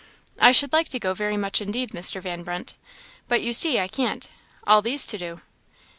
"I should like to go very much indeed, Mr. Van Brunt, but you see I can't. All these to do!"